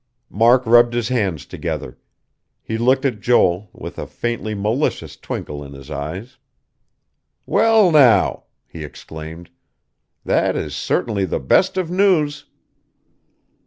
Mark rubbed his hands together. He looked at Joel, with a faintly malicious twinkle in his eyes. "Well, now!" he exclaimed. "That is certainly the best of news...."